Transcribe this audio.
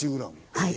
はい。